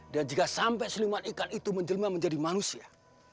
dan jika sampai siluman ikan itu menjelma menjadi manusia